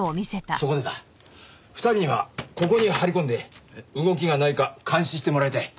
そこでだ２人にはここに張り込んで動きがないか監視してもらいたい。